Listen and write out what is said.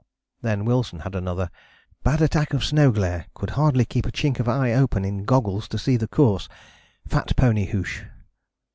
" Then Wilson had another "bad attack of snow glare: could hardly keep a chink of eye open in goggles to see the course. Fat pony hoosh."